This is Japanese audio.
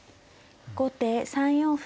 後手３四歩。